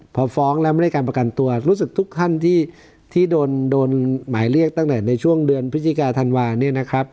พอฟ้องแล้วไม่ได้การประกันตัวรู้สึกทุกท่านที่โดนหมายเรียกตั้งแต่ในช่วงเดือนพฤศจิกาธันวาเนี่ยนะครับ